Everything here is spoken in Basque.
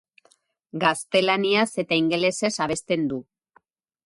Gaztelaniaz eta ingelesez abesten du.